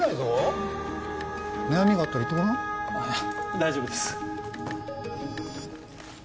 大丈夫です。